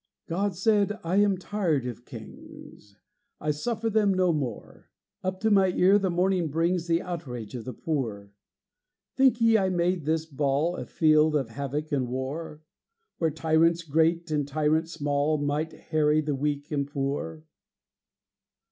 God said, I am tired of kings, I suffer them no more; Up to my ear the morning brings The outrage of the poor. Think ye I made this ball A field of havoc and war, Where tyrants great and tyrants small Might harry the weak and poor?